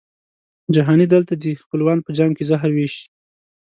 جهاني دلته دي خپلوان په جام کي زهر وېشي